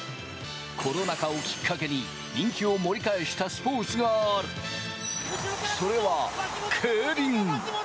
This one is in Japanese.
コロナ禍をきっかけに人気を盛り返したスポーツがある、それは競輪。